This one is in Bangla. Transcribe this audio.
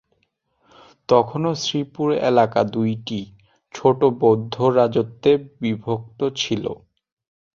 তখনও শ্রীপুর এলাকা দুইটি ছোট বৌদ্ধ রাজত্বে বিভক্ত ছিল।